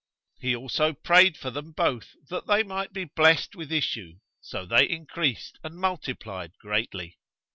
He also prayed for them both that they might be blest with issue so they increased and multiplied greatly.